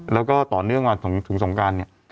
แล้วก็ต่อเนื่องมาถึงสงการเนี่ย